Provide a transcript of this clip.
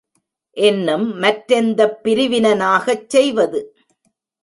இன்னும் மற்றெந்தப் பிரிவினனாகச் செய்வது?